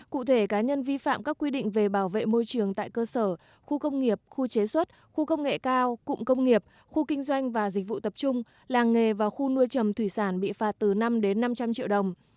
cụ thể cá nhân vi phạm các quy định về bảo vệ môi trường tại cơ sở khu công nghiệp khu chế xuất khu công nghệ cao cụm công nghiệp khu kinh doanh và dịch vụ tập trung làng nghề và khu nuôi trầm thủy sản bị phạt từ năm đến năm trăm linh triệu đồng